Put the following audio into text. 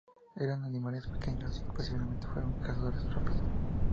Eran animales pequeños y posiblemente fueron cazadores rápidos.